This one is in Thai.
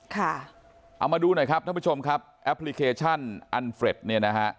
ค่ะเอามาดูหน่อยครับท่านผู้ชมครับแอปพลิเคชันอันเฟรดเนี่ยนะฮะ